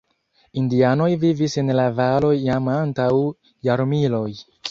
Indianoj vivis en la valo jam antaŭ jarmiloj.